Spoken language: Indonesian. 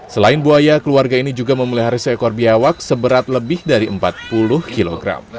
selain buaya keluarga ini juga memelihara seekor biawak seberat lebih dari empat puluh kg